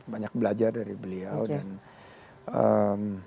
banyak belajar dari beliau dan